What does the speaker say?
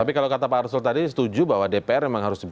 tapi kalau kata pak arsul tadi setuju bahwa dpr memang harus